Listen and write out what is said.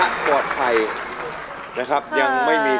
ทุกคนนี้ก็ส่งเสียงเชียร์ทางบ้านก็เชียร์